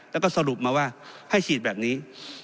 แล้วก็สรุปมาว่าให้ฉีดแบบนี้